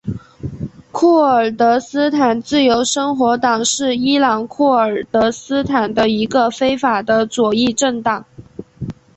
库尔德斯坦自由生活党是伊朗库尔德斯坦的一个非法的左翼政党。